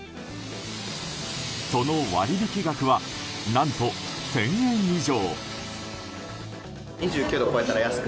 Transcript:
その割引額は何と１０００円以上。